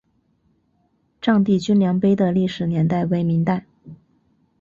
丈地均粮碑的历史年代为明代。